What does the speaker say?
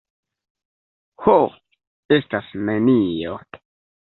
Ho, estas nenio.